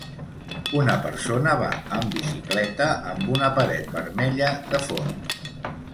Una persona va amb bicicleta amb una paret vermella de fons.